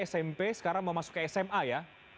smp sekarang mau masuk ke sma ya